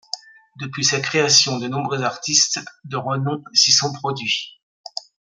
Depuis sa création de nombreux artistes de renoms s'y sont produit.